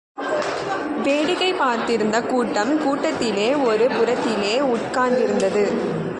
வேடிக்கை பார்த்திருந்த கூட்டம் கூடத்திலே ஒரு புறத்திலே உட்கார்ந்திருந்தது.